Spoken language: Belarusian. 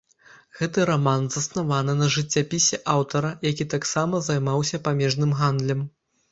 Гэты раман заснаваны на жыццяпісе аўтара, які таксама займаўся памежным гандлем.